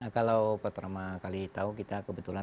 kalau pertama kali tahu kita kebetulan